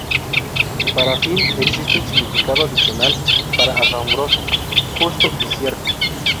Para "finn" existe el significado adicional para "asombroso", "justo" y "cierto".